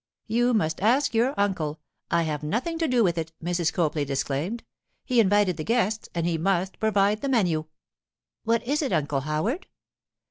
'You must ask your uncle. I have nothing to do with it,' Mrs. Copley disclaimed. 'He invited the guests, and he must provide the menu.' 'What is it, Uncle Howard?